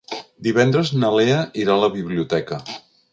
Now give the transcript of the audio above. Divendres na Lea irà a la biblioteca.